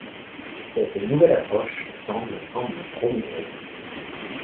Cette nouvelle approche semble semble prometteuse.